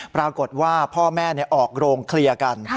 ปรากฏว่าพ่อแม่ออกโรงเคลียร์กัน